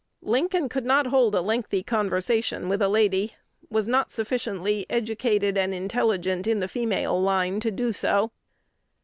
Lincoln could not hold a lengthy conversation with a lady, was not sufficiently educated and intelligent in the female line to do so."